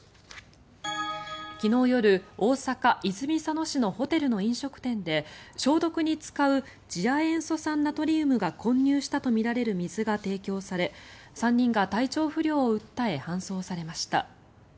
昨日夜、大阪・泉佐野市のホテルの飲食店で消毒に使う次亜塩素酸ナトリウムが混入したとみられる水が提供され３人が体調不良を訴え搬送されました。